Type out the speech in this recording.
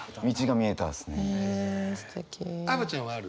アヴちゃんはある？